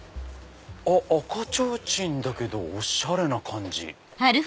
赤ちょうちんだけどおしゃれな感じ。